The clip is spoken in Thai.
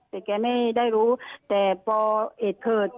แต่แกไม่ได้รู้แต่พอเหตุเกิด